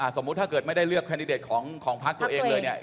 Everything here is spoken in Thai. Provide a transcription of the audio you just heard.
สมมติถ้าเกิดไม่ได้เลือกคันติเดทของพร์กตัวเองเลย